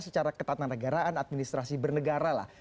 secara ketatanegaraan administrasi bernegara